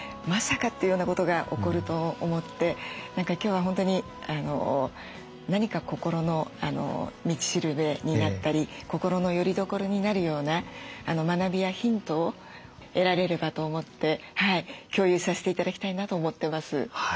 まさかっていうようなことが起こると思って何か今日は本当に何か心の道しるべになったり心のよりどころになるような学びやヒントを得られればと思って共有させて頂きたいなと思ってます。